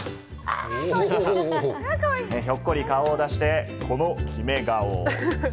ひょっこり顔を出して、このキメ顔。